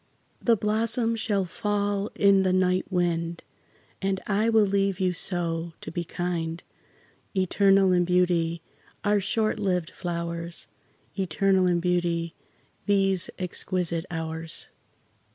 The blossoms shall fall in the night wind, And I will leave you so, to be kind: Eternal in beauty, are short lived flowers, Eternal in beauty, these exquisite hours.